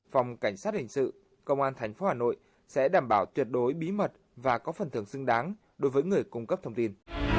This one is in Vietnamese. phòng cảnh sát hình sự công an tp hà nội sẽ đảm bảo tuyệt đối bí mật và có phần thưởng xứng đáng đối với người cung cấp thông tin